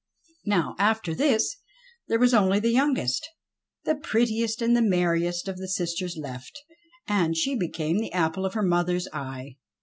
Now after this there was only the youngest, the prettiest and the merriest of the sisters left, and she became the apple of her mother's eye.